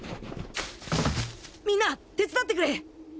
みんな手伝ってくれ！